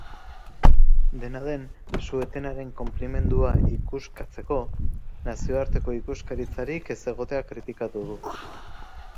Dena den, su-etenaren konplimendua ikuskatzeko nazioarteko ikuskaritzarik ez egotea kritikatu du.